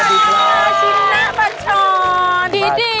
สวัสดีครับสวัสดีครับ